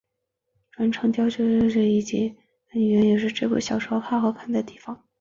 转场调度俐落明快以及充满机锋的语言也是这部小说好看的地方。